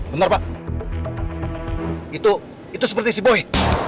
bener pak itu itu seperti si boy